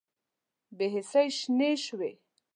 بې حسۍ شنې شوې